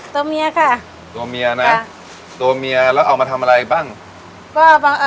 ตัวเมียค่ะตัวเมียนะตัวเมียแล้วเอามาทำอะไรบ้างก็บางอ่า